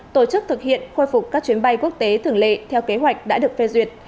tổ chức thực hiện khôi phục các chuyến bay quốc tế thường lệ theo kế hoạch đã được phê duyệt